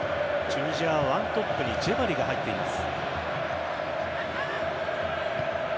チュニジアは１トップにジェバリが入っています。